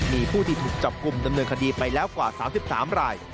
มีผู้ที่ถูกจับกลุ่มดำเนินคดีไปแล้วกว่า๓๓ราย